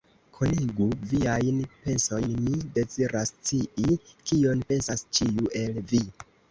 Konigu viajn pensojn, mi deziras scii, kion pensas ĉiu el vi!